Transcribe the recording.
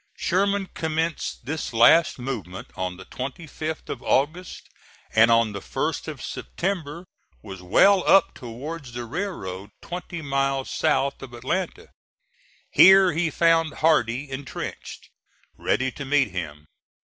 Sherman commenced this last movement on the 25th of August, and on the 1st of September was well up towards the railroad twenty miles south of Atlanta. Here he found Hardee intrenched, ready to meet him.